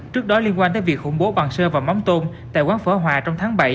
trước đó liên quan tới việc khủng bố bằng sơn và mắm tôm tại quán phở hòa trong tháng bảy